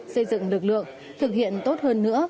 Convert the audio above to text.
xây dựng lực lượng thực hiện tốt hơn nữa